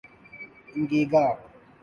Angika